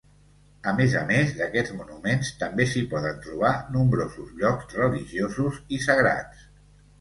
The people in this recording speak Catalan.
A més a més d'aquests monuments, també s'hi poden trobar nombrosos llocs religiosos i sagrats.